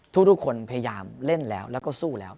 ทุกคนพยายามเล่นแล้วแล้วก็สู้แล้ว